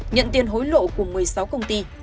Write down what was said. nhận tiền hối lộ của một mươi sáu công ty